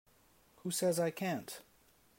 Who says I can't?